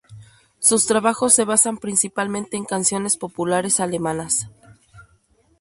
Sus trabajos se basan principalmente en canciones populares alemanas.